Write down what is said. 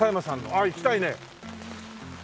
ああ行きたいね。